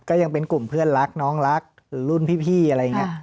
ก็ยังเป็นกลุ่มเพื่อนรักน้องรักรุ่นพี่อะไรอย่างนี้